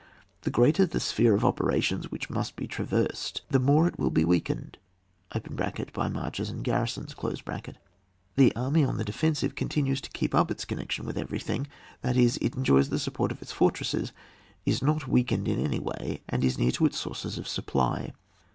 The greater the sphere of operations which must be traversed, the more it will be weakened (by marches and garrisons) ; the army on the defensive con tinues to keep up its connection with everything, that is, it enjoys the support of its fortresses, is not weakened in any way, and is near to its sources of supply.